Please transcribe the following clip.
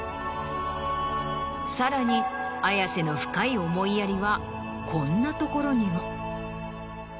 さらに綾瀬の深い思いやりはこんなところにも。